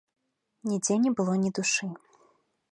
Нідзе не было ні душы.